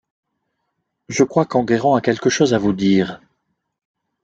je crois qu'Enguerrand a quelque chose à vous dire.